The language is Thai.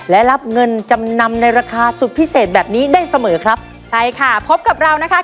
และรับเงินจำนำในราคาสุดพิเศษแบบนี้ได้เสมอครับใช่ค่ะพบกับเรานะคะ